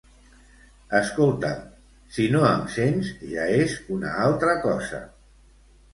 Escolta'm, si no em sents ja és una altra cosa